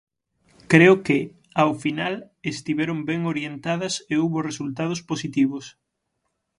Creo que, ao final, estiveron ben orientadas e houbo resultados positivos.